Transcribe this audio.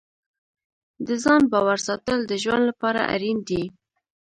د ځان باور ساتل د ژوند لپاره اړین دي.